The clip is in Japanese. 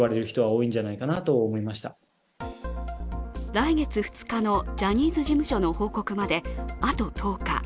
来月２日のジャニーズ事務所の報告まであと１０日。